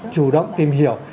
chủ động tìm hiểu